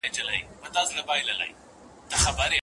ځوابونه باید مبهم نه وي.